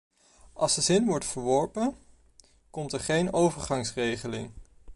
Als de zin wordt verworpen, komt er geen overgangsregeling.